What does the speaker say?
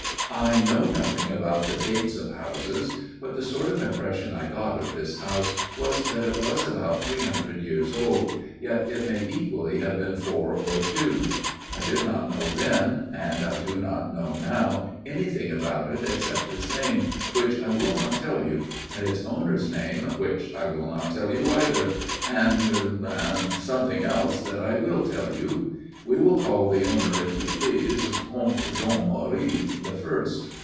" I know nothing about the dates of houses ; but the sort of impression I got of this house was that it was about three hundred years old ; yet it may equally have been four, or two. I did not know then ; and do not know now anything about it except its name, which I will not tell you ; and its owner's name which I will not tell you either and and something else that I will 288 A MIRROR OF SHALOTT tell you. We will call the owner, if you please, Comte Jean Marie the First.